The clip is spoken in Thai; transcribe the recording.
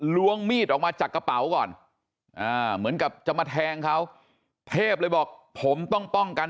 ล้วงมีดออกมาจากกระเป๋าก่อนเหมือนกับจะมาแทงเขาเทพเลยบอกผมต้องป้องกัน